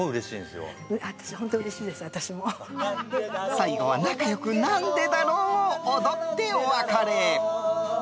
最後に仲良く、なんでだろうを踊ってお別れ。